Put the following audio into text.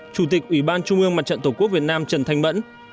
chủ tịch ủy ban trung ương mặt trận tổ quốc việt nam trần thanh mẫn